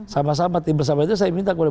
sama sama tim bersama itu saya minta kepada